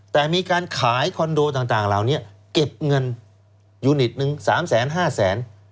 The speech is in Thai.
แต่มีการขายคอนโดต่างเหล่านี้เก็บเงินยูนิตนึง๓แสนห้าแสน